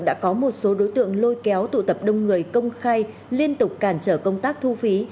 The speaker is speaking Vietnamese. đã có một số đối tượng lôi kéo tụ tập đông người công khai liên tục cản trở công tác thu phí